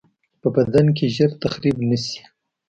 په بدن کې ژر تخریب نشي.